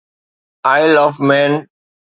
oil of main